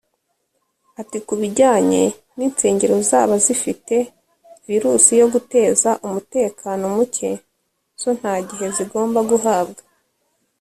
Ati "Ku bijyanye n’insengero zaba zifite virusi yo guteza umutekano muke zo nta gihe zigomba guhabwa